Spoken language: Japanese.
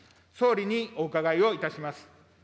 総理にお伺いをいたします。